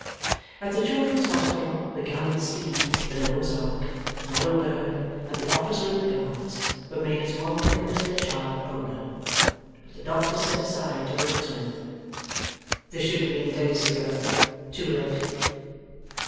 At the Children's Hospital, the gallant steed, the Noah's ark, yellow bird, and the officer in the Guards, were made as welcome as their child owner. But the doctor said aside to Rokesmith, 'This should have been days ago. Too late!